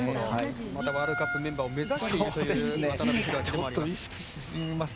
またワールドカップメンバーを目指しているという渡部弘晃でもあります。